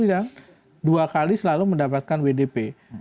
kementerian yang dibikin baru yang dua kali selalu mendapatkan wdp